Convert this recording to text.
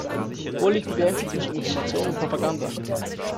Wo liegt die Grenze zwischen Information und Propaganda?